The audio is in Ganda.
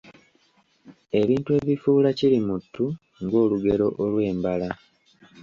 Ebintu ebifuula "Kirimuttu" ng'Olugero olw’embala.